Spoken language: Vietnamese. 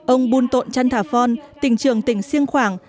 ông bun tộn chan thả phon tỉnh trưởng tỉnh siêng khoảng